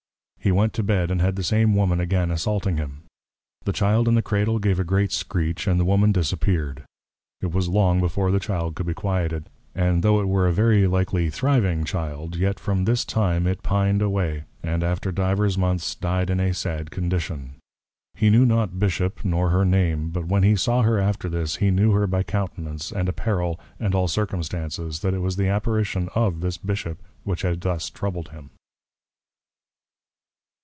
_ He went to Bed, and had the same Woman again assaulting him. The Child in the Cradle gave a great Screech, and the Woman disappeared. It was long before the Child could be quieted; and tho' it were a very likely thriving Child, yet from this time it pined away, and, after divers Months, died in a sad Condition. He knew not Bishop, nor her Name; but when he saw her after this, he knew by her Countenance, and Apparel, and all Circumstances, that it was the Apparition of this Bishop, which had thus troubled him.